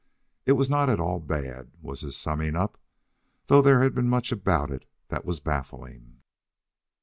It was not at all bad, was his summing up, though there was much about it that was baffling.